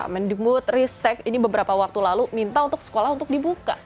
mendikbud ristek ini beberapa waktu lalu minta untuk sekolah untuk dibuka